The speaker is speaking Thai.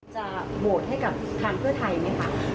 จะโหวตให้กับทางเพื่อไทยไหมคะ